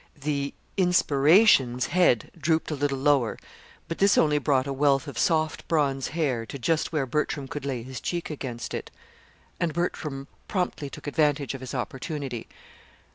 The "inspiration's" head drooped a little lower, but this only brought a wealth of soft bronze hair to just where Bertram could lay his cheek against it and Bertram promptly took advantage of his opportunity.